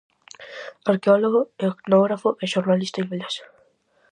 Arqueólogo, etnógrafo e xornalista inglés.